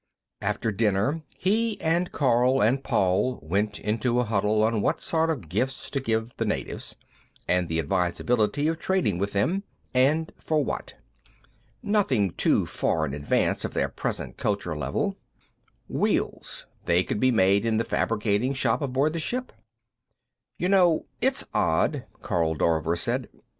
After dinner, he and Karl and Paul went into a huddle on what sort of gifts to give the natives, and the advisability of trading with them, and for what. Nothing too far in advance of their present culture level. Wheels; they could be made in the fabricating shop aboard the ship. "You know, it's odd," Karl Dorver said.